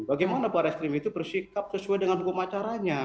bagaimana barreskrim itu bersikap sesuai dengan hukum acaranya